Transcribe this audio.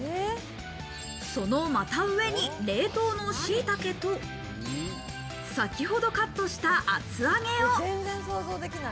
そのまた上に冷凍のしいたけと、先ほどカットした厚揚げを。